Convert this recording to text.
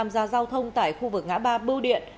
giao thông tại khu vực ngã ba bưu điện